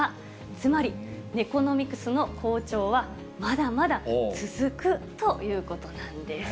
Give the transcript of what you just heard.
つまりネコノミクスの好調は、まだまだ続くということなんです。